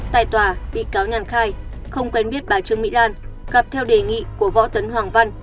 tại tòa bị cáo nhàn khai không quen biết bà trương mỹ lan gặp theo đề nghị của võ tấn hoàng văn